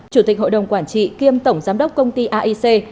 chủ tịch hội đồng quản trị kiêm tổng giám đốc công ty aic